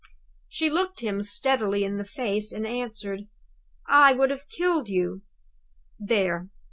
She looked him steadily in the face, and answered: "I would have killed you." There!